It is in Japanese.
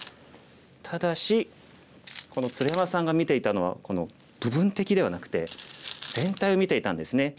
ただし鶴山さんが見ていたのはこの部分的ではなくて全体を見ていたんですね。